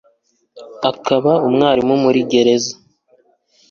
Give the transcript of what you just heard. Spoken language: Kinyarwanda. akaba umwarimu muri gereza